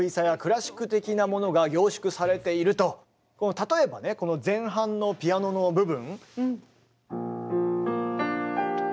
例えばねこの前半のピアノの部分。